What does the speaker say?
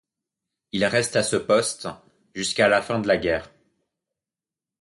Il reste à ce poste jusqu'à la fin de la guerre.